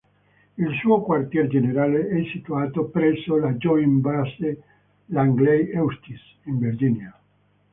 Il suo quartier generale è situato presso la Joint Base Langley-Eustis, in Virginia.